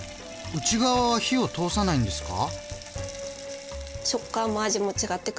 内側は火を通さないんですか？